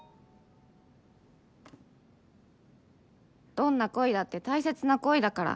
「どんな恋だって大切な恋だから。